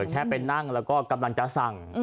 แค่ไปนั่งแล้วก็กำลังจะสั่ง